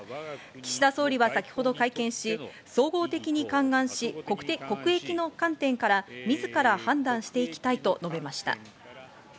岸田総理は先ほど会見し、総合的に勘案し、国益の観点から自ら判断していきたいと述べました。